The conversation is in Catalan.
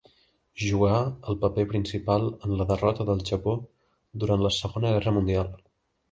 Jugà el paper principal en la derrota del Japó durant la Segona Guerra Mundial.